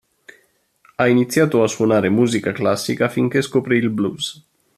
Ha iniziato a suonare musica classica finché scoprì il blues.